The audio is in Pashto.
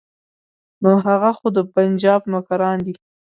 نو هغه خو د پنجاب نوکران دي.